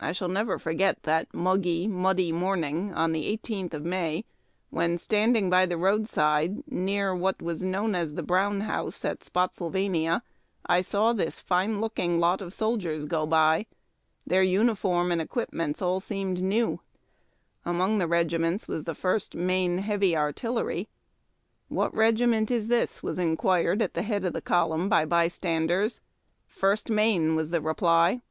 I shall never forget that muggy, muddy morn ing of the 18th of May, when, standing by the roadside IN HEAVY MARCHING ORDER. SCATTERING SHOTS. 319 near what was known as the " Brown House," at Spottsyl vania, I saw this fine looking lot of soldiers go by. Their uniforms and equipments all seemed new. Among the regi ments was the First Maine Heavy Artillery. " What regiment is this ?" was inquired at the head of the column by bj'standers. "First Maine," was the reply.